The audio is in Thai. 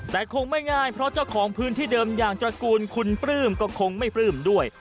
แต่คงไม่ง่ายเพราะเจ้าของพื้นที่เดิมอย่างตระกูลคุณปลื้มก็คงไม่ปลื้มด้วย